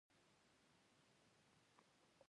هغوی د سړک پر غاړه د پاک کتاب ننداره وکړه.